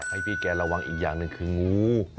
ให้พี่แกระวังอีกอย่างหนึ่งคืองู